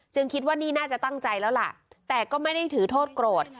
คิดว่านี่น่าจะตั้งใจแล้วล่ะแต่ก็ไม่ได้ถือโทษโกรธ